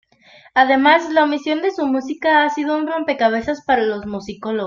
Además, la omisión de su música ha sido un rompecabezas para los musicólogos.